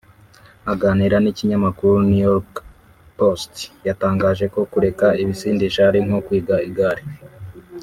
Aganira n’ikinyamakuru New York Post yatangaje ko kureka ibisindisha ari nko kwiga igare